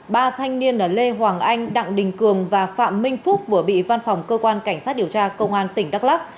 ba thanh niên ở lê hoàng anh đặng đình cường và phạm minh phúc vừa bị văn phòng cơ quan cảnh sát điều tra công an tỉnh đắk lắc